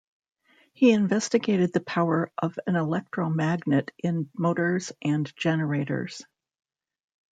He investigated the power of an electromagnet in motors and generators.